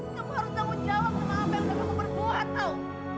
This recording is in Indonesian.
dengan apa yang udah kamu berbuat tau